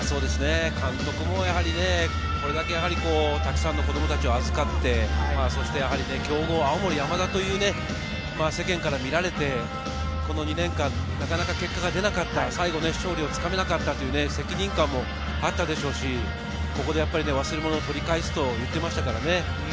監督もやはりこれだけたくさんの子供たちを預かって、強豪・青森山田と世間から見られて、この２年間、なかなか結果が出なかった、最後勝利をつかめなかったという責任感もあったでしょうし、ここで忘れ物を取り返すと言っていましたからね。